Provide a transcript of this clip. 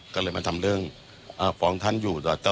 ก็เลยมาทำเรื่องฟ้องท่านอยู่